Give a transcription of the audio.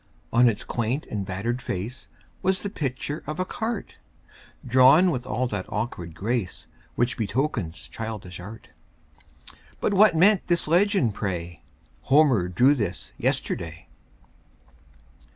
On its quaint and battered face Was the picture of a cart, Drawn with all that awkward grace Which betokens childish art; But what meant this legend, pray: "Homer drew this yesterday?"